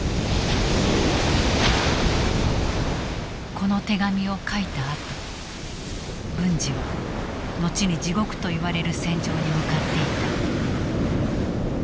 この手紙を書いたあと文次は後に地獄といわれる戦場に向かっていた。